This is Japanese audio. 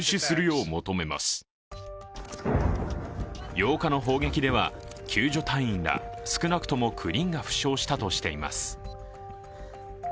８日の砲撃では救助隊員ら少なくとも９人が負傷したとしています。